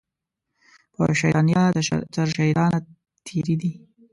په شیطانیه تر شیطانه تېرې دي